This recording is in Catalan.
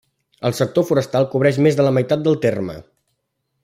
El sector forestal cobreix més de la meitat del terme.